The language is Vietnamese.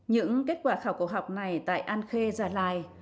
những kết quả khảo cổ học này tại an khê gia lai